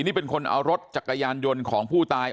นี่เป็นคนเอารถจักรยานยนต์ของผู้ตาย